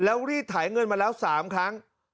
แล้วรีดถ่ายเงินมาแล้ว๓ครั้ง